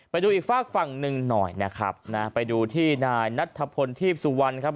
ไปดูอีกฝากฝั่งหนึ่งหน่อยนะครับนะไปดูที่นายนัทธพลทีพสุวรรณครับ